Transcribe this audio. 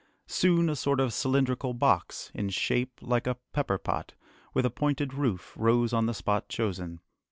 Soon a sort of cylindrical box, in shape like a pepperpot, with a pointed roof, rose on the spot chosen.